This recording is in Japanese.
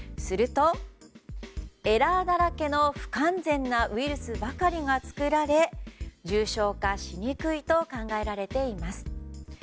すると、エラーだらけの不完全なウイルスばかりが作られ重症化しにくいと考えられています。